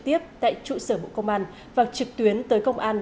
tại tỉnh thành phố